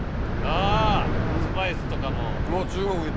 あスパイスとかも。